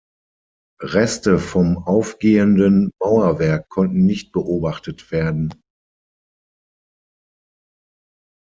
Reste vom aufgehenden Mauerwerk konnten nicht beobachtet werden.